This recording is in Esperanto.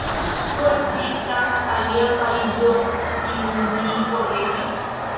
Ĉu ekzistas alia fariĝo, kiun mi forgesis?